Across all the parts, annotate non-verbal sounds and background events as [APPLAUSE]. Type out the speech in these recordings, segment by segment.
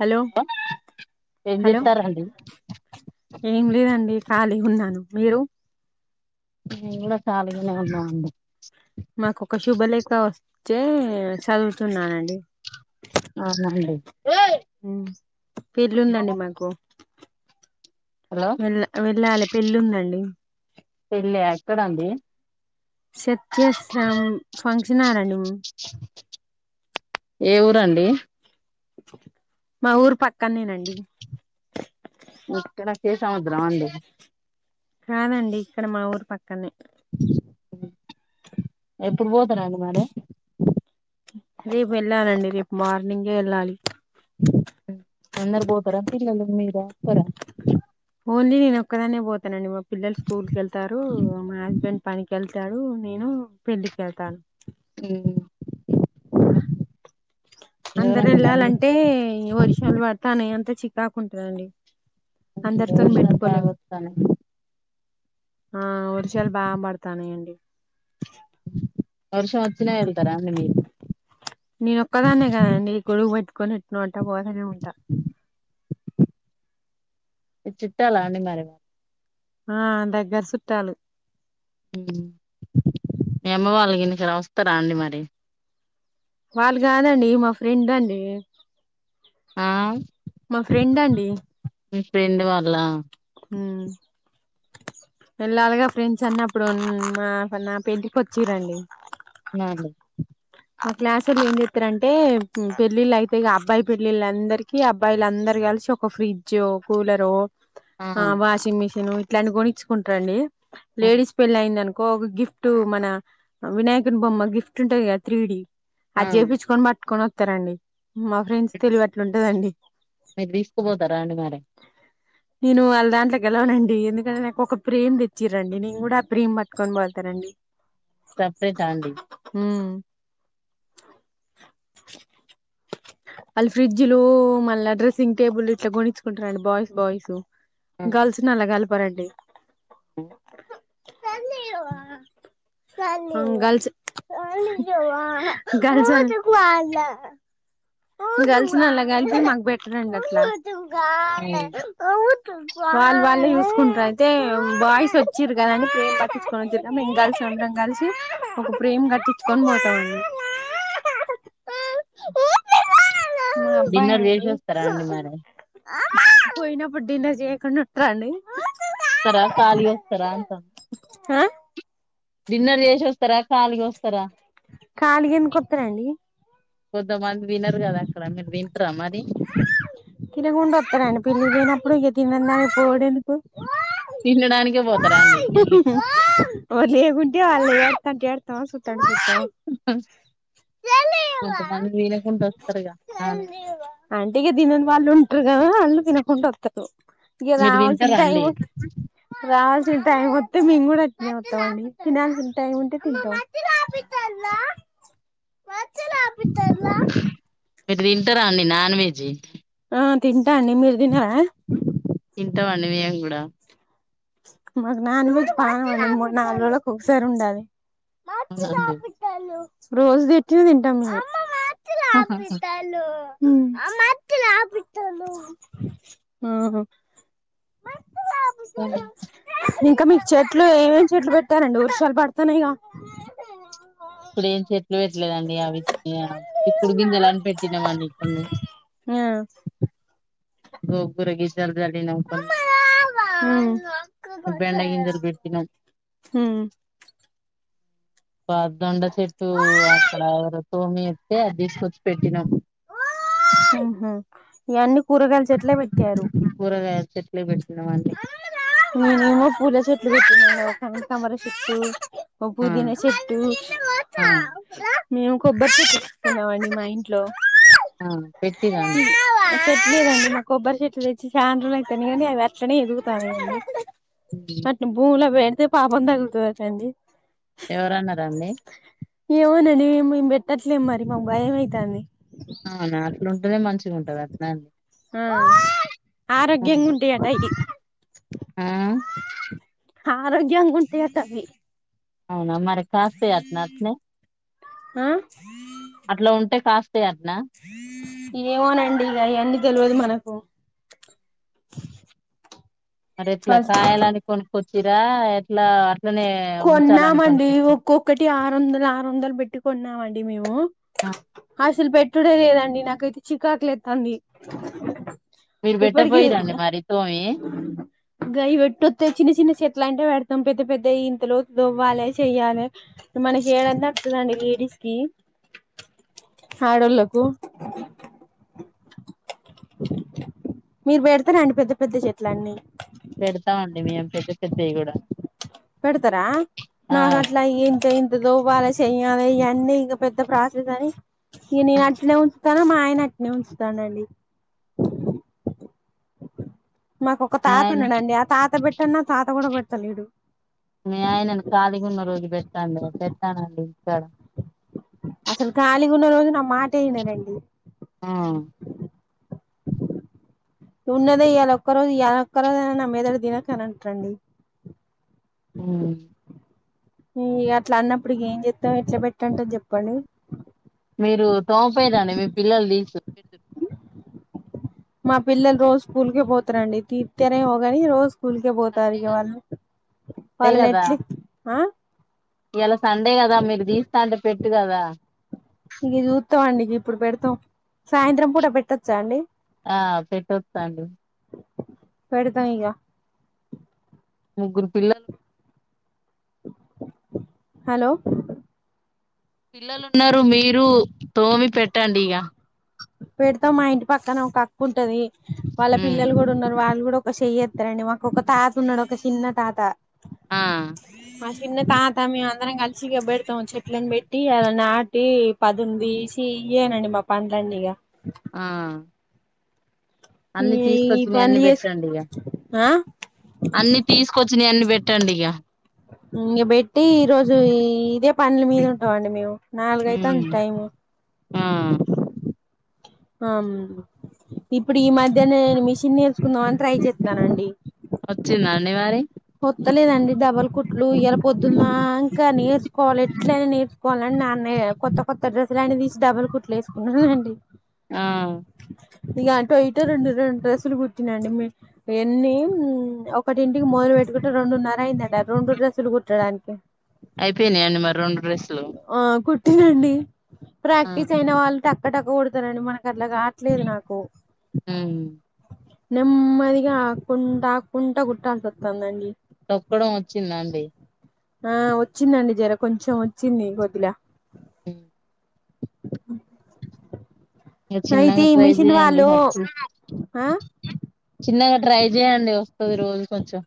Hello ఏం hello చేస్తారండి ఏం లేదండి ఖాళీ ఉన్నను మీరు నేను కూడా కాలిగనే ఉన్నా అండి మాకు ఒక శుభలేఖ వస్తే సదువుతున్నానండి అవునండి ఉమ్ పెళ్ళుందండి మాకు హలో వెళ్ళ వెళ్ళాలి పెళ్ళి ఉందండి పెళ్ళి ఎక్కడండి షేత్యేస్రం ఫంక్షన్ హల్ అండు ఏ ఊరండి మా ఊరు పక్కనేనండి ఇక్కడ కే సముద్రమా అండి కాదండి ఇక్కడ మా ఊరు పక్కనే అ ఎప్పుడు పోతురు అండి మరి రేపు వెళ్ళాలండి రేపు మార్నింగే ఏళ్ళాలి అందరు పోతారా పిల్లలు మీరా ఒక్కరా ఓన్లీ నేను ఒక్కదాన్నే పోతానండి మా పిల్లలు స్కూల్ కి వెళ్తారు. మా హస్బెండ్ పనికి వెళ్తాడు నేను పెళ్లికి కెల్తాను హ్మ్ అందరు ఎవరండి మరి మీ వెళ్ళాలంటే వర్షాలు పడతాన్నాయి అంతా చికాకు ఉంటదండి. అందరితోని వర్షాలు బాగా పెట్టుకోలేం వస్తానయి ఆ వర్షాలు బాపడతానయండి వర్షం వచ్చిన ఏళ్తారా అండి మీరు నేనొక్క దాన్నే కదండి గొడుగు పెట్టుకొని ఏట్నో అట్ట పోతనే ఉంటా ది చిట్టాలా అండి మరి ఆ దగ్గరి సుట్టాలు ఏమో వాళ్ళ కిందికెళ్లి వస్తారా అండి మరి వాళ్ళు కాదండి మా ఫ్రెండ్ అండి ఆ మా ఫ్రెండ్ అండి మీ ఫ్రెండ్ వాళ్ళ హ్మ్ వెళ్ళాలిగా ఫ్రెండ్స్ అన్న అప్పుడు మా నా పెంటికి వచ్చిరండి. నార్మల్ ఆ క్లాసువొళ్ళు ఏం జేత్తరంటే పెళ్ళిళ్లు అయితేయిగా అబ్బాయి పెళ్ళిళ్ళందరికీ అబ్బాయిల అందరు కలిశి ఒ ఫ్రిడ్జో, కూలరో, ఆ వాషింగ్ మిషును ఇట్లాంటి కొని ఇచ్చుకుంటరండి. ఆ లేడీస్ పెళ్లి అయింది అనుకో ఒక గిఫ్ట్ మన వినాయకుని బొమ్మ గిఫ్ట్ ఉంటాంది క త్రీడి ఆ అది జెపిచ్చుకొని పట్టుకొని వత్తారండి మా ఫ్రెండ్స్ తెలివి అట్లుంటదండి. మీరు తీసుకుపోతారాండి మరి నేను వాళ్ళ దాంట్లోగేలవనండి ఎందుకంటే నాకు ఒక ప్రేమ్ తెచ్చిరండి నేను కూడా ఆ ప్రేమ పట్టుకొని పోతానండి. సపరేటా అండి వ్మ్ వాళ్ళు ఫ్రిడ్జ్లు మళ్ళా డ్రెస్సింగ్ టేబుల్ ఇట్లా గోనిచ్చుకుంటారండి బాయ్స్ బాయ్సు గర్ల్స్ నల్లా కల్పరండి ఉ ఉమ్ గర్ల్స్ గర్ల్స్ ఓ గర్ల్స్ ని అల్లా కలిపి మాకు బెటర్ అండి అట్లా వాళ్ళు వాళ్ళు యుసుకుంటారు అయితే బాయిస్ వచ్చిర్రు కదా అని ఫ్రేమ్ పట్టిచ్చుకోని జే ఇం కలిసి ఉండరం కలిసి ఒక ప్రేమ్ కట్టించుకొని పోతాంది అ వస్తారా అండి మరి పోయినప్పుడు డిన్నర్ చేయకుండా ఉంటారండి వస్తాదా సాలరీ వస్తాదా అంత ఆ డిన్నర్ చేసి వస్తారా కాళిగా వస్తారా కాళిగా ఎందుకు వత్తారండి కొంతమంది వినరు కదా అక్కడ మీరు వింటారా మరి తినికుండా వస్తారా అండి పెళ్లికి పోయినప్పుడు తిన నవుడు పోవుడు ఎందుకు తినడానికే పోతారా అండి ఇంటికి ఎవరు లేకుంటె వాళ్ళు ఎడుత అంటే ఎడత సుత్త వుంటా అంత దన్న వ లేకుంటూ వస్తారుగా కానే అంటిగా తినాని వాళ్ళు ఉంటారు కదా అళ్ళు తినకుండా వత్తరు ఇక మీరు రావలిసినా తింటారా అండి టైమ్ రావాల్సిన టైమ్ వత్తె మేమ్ కూడా అట్నె వత్తం అండి తినాల్సిన టైమ్ ఉంటే తింటాం మీరు తింటారా అండి నాన్ వెజి ఆ తింటా అండి మీరు తిన్నారా తింటాం అండి మేము కూడా మాకు నాన్ వెజ్ పాణాం అండి మూడు నాలుగు రోజులకు ఒకసారి ఉండాలి అవునా అండి రోజు తిచ్చినా తింటాం మేము ఆహాహా ఆ కొన్ని ఇంకా మీకు చెట్లు ఏవేం చెట్లు పెట్టారండి వర్షాలు పడతన్నాయిగా ఇప్పుడు ఏం చెట్లు పెట్టలేదండి అవి చిక్కుడు గింజలని పెట్టినామండి ఇన్ని ఆ గంగోర గింజలు జల్లినం కోన్ని ఆమ్ ఆమ్ గింజలు పెట్టినాం ప దొండ చెట్టు ఉమ్ అక్కడ రుతుమి ఇస్తే అది తీసుకొచ్చి పెట్టినాం ఉహుమ్ ఇక అన్నీ కూరగాయలు చెట్లే పెట్టారు కూరగాయల చెట్లు పెటిన్నామండి నేను ఎమో పూల చెట్లు పెట్టినా తమర చెట్టు ఒక ఆ పోదిన చెట్టు ఆ మేము కొబ్బరి చెట్టు పెంచుతున్నామండి మా ఇంట్లో ఆ పెట్టిరండి చెట్నీ కండి మా కొబ్బరి చెట్లు తెచ్చి చానా రోజులయితాంది కాని అవి అట్టనే ఎదుగుతా వున్నాయి భూమిలా పెడితే పాపం తగులుతది అటా అండి ఎవరు అన్నారండి ఏమోనండి మేం పెట్టట్లేం మరి మాకు భయంమయతంది ఆవునా అట్లు ఉంటేనే మంచిగా ఉంటది అట్లాన్ని ఆ ఆరోగ్యంగా ఉంటయి అటా అయి ఆ ఆరోగ్యంగా ఉంటాయి అటా అవి అవునా మారి కాస్తయాత్న అట్నే ఆ అట్లా ఉంటే కాస్ట్ అట్నా ఏమోనండి ఇగ అయన్నీ తెలవుదు మనకు మరి ఎట్ల ఫస్ట్ కాయలనీ కొనుక్కొచ్చిర్రా ఎట్లా అట్లనే ఉంచాలని కొన్నామండి కొనుక్కొచ్చిరా ఒక్కొక్ కటి ఆరువందల్ ఆరువందలు పెట్టి కోన్నామండి మేము, ఆ, హ అసలు పెట్టుడె లేదండి నాకైతే చికాకులెత్తంది. మీరు బెట్టకపోయిరండి మరి తోమి గయి పెట్టొత్తె చిన్న చిన్న చెట్లంటె పెడతం పెద్ద పెద్దయి ఇంత లోతు తోవ్వాలె చెయ్యాలె, మనకి ఏడన్న అత్తదండి లేడీస్ కి ఆడొళ్ళకు మీరు పెడతరండి పెద్ద పెద్ద చెట్లన్నీ? పెడతామండి మేం పెద్ద పెద్దయి గుడ పెడతరా నాగట్లా ఏం చయన్ దోమాలె చెయలే ఇయన్ని ఇంగ పెద్ద ప్రాసెస్ అని ఈ నేను అట్నే ఉంచుతాను, మా ఆయన అట్నే ఉంచుతాండండి. మాకు ఒక తాత ఆయన ఉన్నాడండి, ఆ తాత పెట్టన్న తాత గుడ పెడతలేడు. మీ ఆయనను కాలిగున్న రోజు పెట్టాండి పెట్టానండి సరే అసలు ఖాలీగా ఉన్న రోజు నా మాటే వినరండీ. ఆ ఉన్నదే ఈయాల ఒక్క రోజు, ఈయాల ఒక్క రోజైనా నా మెదడు దినకు అని అంటరండి. ఉమ్ ఉమ్ ఇగ అట్ల అన్నప్పుడిగ ఏం చేత్తం ఎట్ల పెట్టంటది చెప్పండి? మీరు తోమపోయదండి మీ పిల్లలు తీసు మా పిల్లలు రోజు స్కూల్కె పోతారండి, తీర్థరెమో గని రోజ్ స్కూల్కే పోతారు ఇగ వాళ్ళు, అంతే వాళ్ళు నెట్లి ఆ ఇయాలా సండే కదా మీకు తీస్తా అంటే పెట్టు కదా. ఇగ చూత్తం అండి ఇగ ఇప్పుడు పెడతాం సాయంత్రం పూట పెట్టొచ్చా అండి? ఆ పెట్టొచ్చండి పెడతమిగా ముగ్గురు పిల్ల హలో పిల్లలు ఉన్నరు మీరు తోమి పెట్టండి ఇగ. పెడతా మా ఇంటి పక్కన ఒక అక్కకుంటది, వాళ్ళ మ్మ్ పిల్లలు గుడ ఉన్నరు, వాళ్ళు గుడా ఒక చెయ్యి త అండి మాకు ఒక తాత ఉన్నడు ఒక చిన్న తాత, ఆ మా చిన్న తాత మేము అం అందరం కలిసి ఇగ పెడతం చెట్లలను పెట్టి ఆడ నాటి, పదును తీసి, ఇయేనండి మా పను లండిగా ఆ అన్ని ఈ తీసుకొచ్చినయి అన్ని పనులు చేసు పెట్టండి ఇగ ఆ అన్ని తీసుకొచ్చినయి అన్ని పెట్టండిగ ఇంగ బెట్టి ఈ రోజు ఇదే పనుల మీద ఉంటమండి మేము, నాలుగైతాంది మ్మ్ టైము. ఆ అం ఇప్పుడు ఈ మధ్యనే నేను మిషన్ నేర్చుకుందాం అని ట్రై చేత్తనండి. వచ్చిందా అండి మరి? పోత్తలేదండి డబల్ కుట్లూ ఇయల పొద్దున్ దాంక నేర్స్ కోవాలే ఎట్ల అన్న నేర్స్ కొనన్ నన్నే కొత్త కొత్త డ్రెసూల్ అన్నీ దిషి డర్రల్కుట్లు ఎస్కున్నానుండి. ఆ ఇగా ఆటో ఇటో రెండు రెండు డ్రెస్సులు కుట్టినండి మీ ఎన్నీ ఉమ్ ఒకటింటికి మొదల్ వెట్ ఇకట రొండున్నర అయిందటా ఆ రోండు డ్రెస్సులు కుట్టడానీకే అయిపోయినాయండి మరి రొండు డ్రెస్సులు ఆ కుట్టినండి. ఆ ప్రాక్టీస్ అయిన వాళ్ళు టక్క టక్క కుడ్తారండి మనక్ అట్లాగా ట్లేదు నాకు ఉమ్ నెమ్మాదిగా ఆకుంట ఆకుంటా గుట్టల్సత్తంది అండి తొక్కడం అచ్చిందా అండి. ఆ ఒచ్చిందండి జర కొంచెం ఒచ్చింది కొద్దిలా ఇగ అయితే చిన్నగా ఈ ట్రై మిషన్ జెయండి వాళ్ళు ఫస్ట్ ఆ చిన్నగా ట్రై జెయండి ఒస్తది రోజు కొంచెం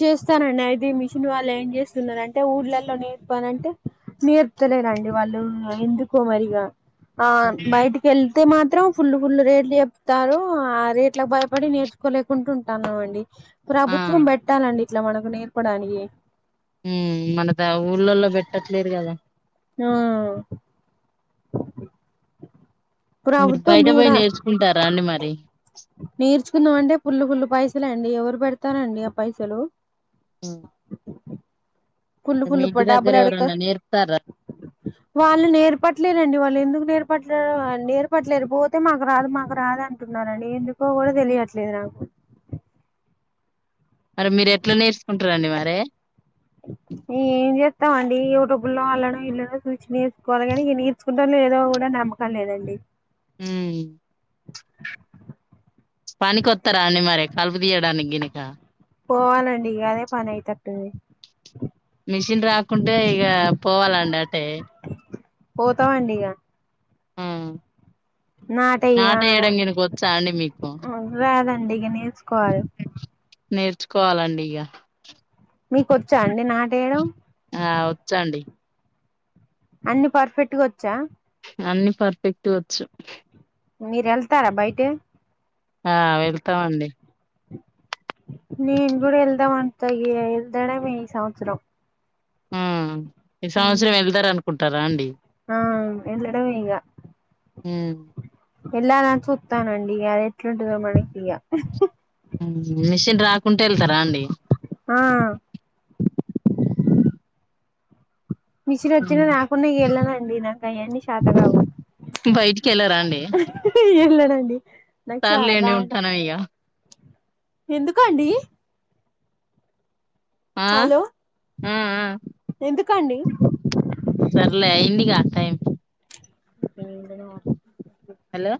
చూస్తానండి అయితే ఈ మిషన్ వాళ్ళు ఏం జేస్తున్నారు అంటే ఊళ్ళలో నేర్పోతానంటే నేర్పాతలేరండి వాళ్ళూ ఎందుకో మారిగా బైటిక్ వెళ్తే మాత్రం ఫుల్ ఫుల్లు రేట్లు ఎప్తారూ ఆ రేట్లకు బైపడీ నేర్చ్ కోలేక ఉంటుంటాన్నాం అండి, ఆ ప్రభుత్వం బెట్టాలండి ఇట్లా మనకు నేర్పడానికి ఉమ్ మనదా ఊళ్ళల్లో బెట్టట్లేదు గదా ఆ మీరు ప్రభుత్వం బైట చూడ వొయ్ నేర్చుకుంటారా అండి మరి నేర్చుకుందాం అంటే ఫుల్లు ఫుల్లు పైసలే అండి ఎవరు బెడ్తారండి ఆ పైసలు అ ఫుల్లు మీ ఫుల్లు ఇంటి దగ్గర డబ్బులు అడుగుతారు ఎవరన్నా నేర్ప్తారా వాళ్ళు నేర్పట్లేరండి వాళ్ళు ఎందుకు నేర్పట్లేరో ఆ నేర్పట్లేరు పోతే మాకు రాదు మాకు రాదు అం అంటున్నారని ఎందుకో కూడా తెలియట్లేదు నాకు మరి మీరు ఎట్లా నేర్సుకుంటారండి మరే ఇగ ఏం జేత్తవండి యూట్యూబ్లో అళ్ళనో ఇళ్ళనో చూసి నేర్స్కోవాలి గానీ ఇ స్కుంటాం లేదో గూడా నమ్మకం లేదండి. ఉమ్ పనికొత్తరా అండి మరి కల్పు తీయ్యడానిగినీక పోవాలండి ఇగ అదే పని అయితట్టుంది. మిషిన్ రాకుంటే ఇగా పోవాలండి అట్టే పోతావండి ఇగా ఉ నాటయ్యా నాటెయడం గినిక ఒచ్చా అండి మీకు రాదండి ఇగ నేర్చుకోవాలే నేర్చుకోవాలండి ఇగ మీక్ ఒచ్చా అండి నాట్ ఎయడం ఆ ఒచ్చండి అన్ని పర్ఫెక్ట్గా ఒచ్చా అన్ని పర్ఫెక్ట్గా ఒచ్చు మీర్ ఎళ్తారా బైటె ఆ వెళ్తామండి. నేన్ గూడా ఎళ్దాం అంత ఏ ఎల్దడేమో ఈ సంవ్సరం ఊ ఈ సంవ్సరం ఎల్దర్ అనుకుంటా రాండి ఆ వెళ్ళడం ఉ పెళ్ళైనంక చూత్తనండి అది ఎట్లుంటందో మరి ఇగ ఉ మిషిన్ రాకుంటే వెళ్తారా అండి ఆ మిషిన్ వచ్చిన హ్మ్. రాకున్నా వెళ్ళానండి నాకు అవన్నీ చేతకావు బయటికెళ్ళరా అండి? ఏంలేదండి నాకు చా సర్లేండి రా ఉంటాను ఇగ. ఎందుకు అండి ఆ హలో అ అ ఎందుకండి సర్లే అయిందిగా టైమ్ [INAUDIBLE] హలో